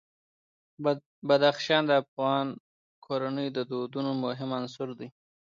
بدخشان د افغان کورنیو د دودونو مهم عنصر دی.